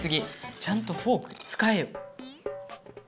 ちゃんとフォークつかえよ。